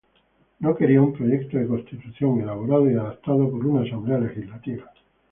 No quería un proyecto de "constitución" elaborado y adoptado por una asamblea legislativa.